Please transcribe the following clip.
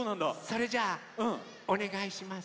それじゃおねがいします。